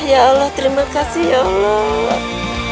ya allah terima kasih ya allah